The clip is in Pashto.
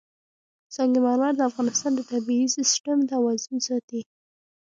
سنگ مرمر د افغانستان د طبعي سیسټم توازن ساتي.